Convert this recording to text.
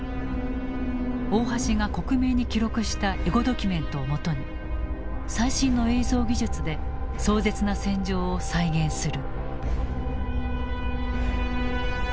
大橋が克明に記録したエゴドキュメントをもとに最新の映像技術で壮絶な戦場を再現する。